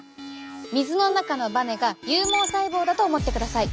水の中のバネが有毛細胞だと思ってください。